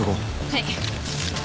はい。